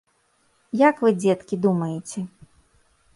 Як вы, дзеткі, думаеце?